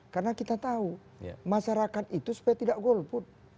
karena kita tahu masyarakat itu supaya tidak golput